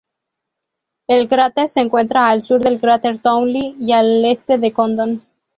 El cráter se encuentra al sur del cráter Townley, y al este de Condon.